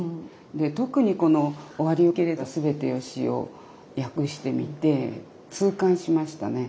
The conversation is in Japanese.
特にこの「終わりよければすべてよし」を訳してみて痛感しましたね。